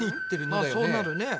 まあそうなるね。